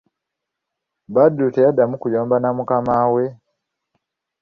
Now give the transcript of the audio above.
Badru teyaddamu kuyomba na mukamwana we.!